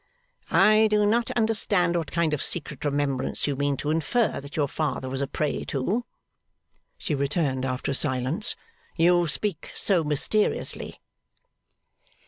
'I do not understand what kind of secret remembrance you mean to infer that your father was a prey to,' she returned, after a silence. 'You speak so mysteriously.